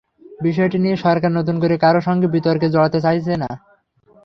বিষয়টি নিয়ে সরকার নতুন করে কারও সঙ্গে বিতর্কে জড়াতে চাইছে না।